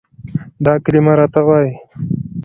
دا کلمه راته وايي،